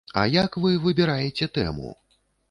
А як вы выбіраеце тэму?